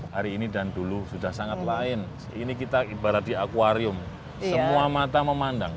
hari ini dan dulu sudah sangat lain ini kita ibarat di akwarium semua mata memandang